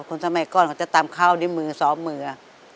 คนสมัยก่อนเขาจะตำข้าวด้วยมือซ้อมมือ